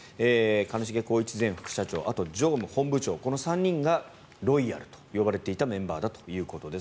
兼重宏一前副社長あと常務、本部長この３人がロイヤルと呼ばれていたメンバーだということです。